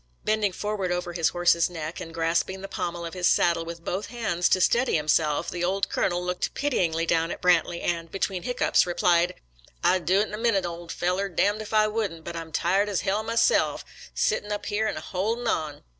" Bending forward over his horse's neck and grasping the pommel of his saddle with both hands to steady himself, the old Colonel looked pityingly down at Brantley and, between hic coughs, replied, " I'd do it in a minute, ole feller, d —— d if I wouldn't, but I'm tired as h my self, ah sittin' up here an' ah hol'in' on."